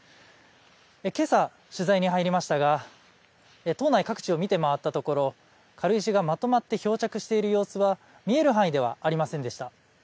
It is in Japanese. けさ取材に入りましたが島内各地を見て回ったところ軽石がまとまって漂着している様子は見える範囲ではありませんでした。